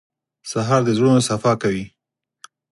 سهار د زړونو صفا کوي.